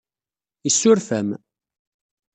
Yessuref-am.